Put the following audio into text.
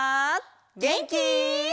げんき？